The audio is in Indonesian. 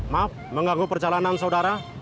maaf mengganggu perjalanan saudara